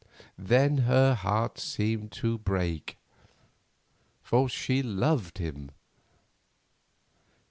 Then her heart seemed to break, for she loved him.